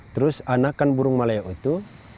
terus anakan burung maleo itu